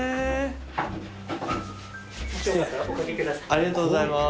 ありがとうございます。